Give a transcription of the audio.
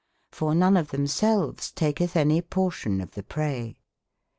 for none of tbem selfes taketb anye portion of tbe praye.